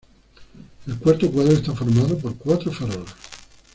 El cuarto cuadro está formado por cuatro farolas.